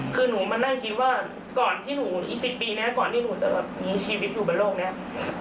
คือหนูมานั่งคิดว่าก่อนที่หนูอีก๑๐ปีนี้ก่อนที่หนูจะแบบมีชีวิตอยู่บนโลกนี้